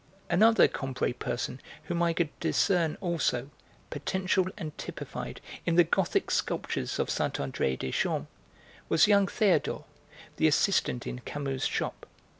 Another Combray person whom I could discern also, potential and typified, in the gothic sculptures of Saint André des Champs was young Théodore, the assistant in Camus's shop.